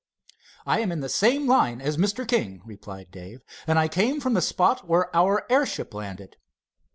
"I am in the same line as Mr. King," replied Dave; "and I came from the spot where our airship landed."